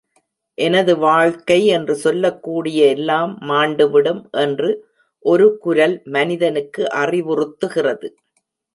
எனது வாழ்க்கை என்று சொல்லக்கூடிய எல்லாம் மாண்டுவிடும் என்று ஒரு குரல் மனிதனுக்கு அறிவுறுத்துகிறது.